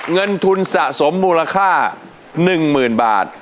เงินทุนสะสมรูระค่า๑หมื่นบาท